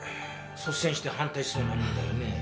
率先して反対しそうなもんだよね。